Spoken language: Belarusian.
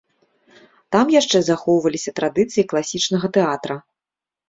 Там яшчэ захоўваліся традыцыі класічнага тэатра.